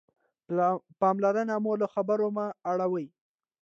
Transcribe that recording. پاملرنه مو له خبرو مه اړوئ.